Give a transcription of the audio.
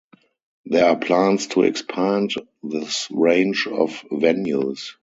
There are plans to expand this range of venues.